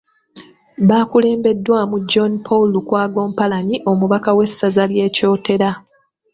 Baakulembeddwamu John Paul Lukwago Mpalanyi omubaka w’essaza ly’e Kyotera .